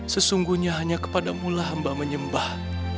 sesungguhnya hanya kepadamulah hamba menyembah